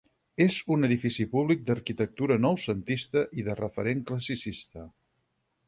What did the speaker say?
És un edifici públic d'arquitectura noucentista i de referent classicista.